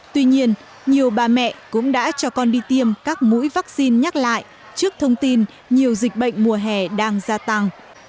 tuy nhiên nhiều bà mẹ cũng đã cho con đi tiêm các mũi vaccine nhắc lại trước thông tin nhiều dịch bệnh mùa hè đang gia tăng